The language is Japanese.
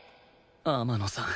天野さん